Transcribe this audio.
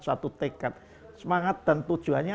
satu tekad semangat dan tujuannya